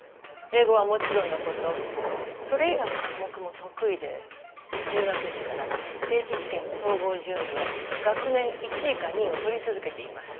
英語はもちろんのことそれ以外の科目も得意で入学時から定期試験の総合順位は学年１位か２位を取り続けています。